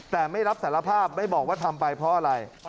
แต่ไม่รับสารภาพไม่บอกว่าทำไปเพราะอะไร